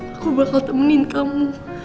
aku bakal temenin kamu